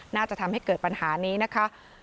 น่าจะทำให้เกิดปัญหานี้นะคะ